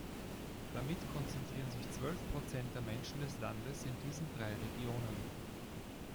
Damit konzentrieren sich zwölf Prozent der Menschen des Landes in diesen drei Regionen.